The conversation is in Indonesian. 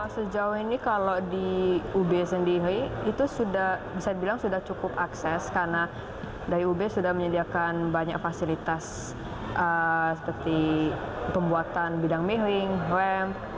sejauh ini kalau di ub sendiri itu sudah bisa dibilang sudah cukup akses karena dari ub sudah menyediakan banyak fasilitas seperti pembuatan bidang miring rem